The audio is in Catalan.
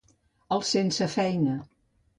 Els sense feina.